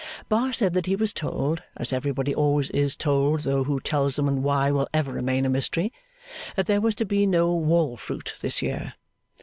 Bar said that he was told (as everybody always is told, though who tells them, and why, will ever remain a mystery), that there was to be no wall fruit this year.